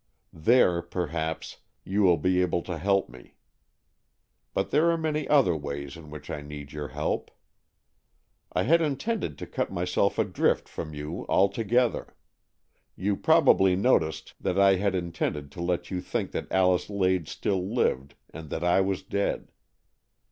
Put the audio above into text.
There, perhaps, you will be able to help me. But there are many other ways in which I need your help. I had intended to cut myself adrift from you altogether. You probably noticed that I had intended to let you think that Alice Lade still lived, and that I was dead.